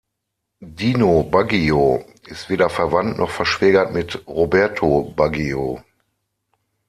Dino Baggio ist weder verwandt noch verschwägert mit Roberto Baggio.